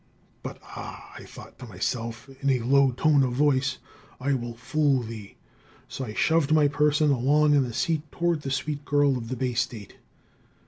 But ah, thought I to myself in a low tone of voice, I will fool thee. So I shoved my person along in the seat toward the sweet girl of the Bay State.